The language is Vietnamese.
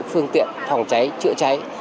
phương tiện phòng cháy chữa cháy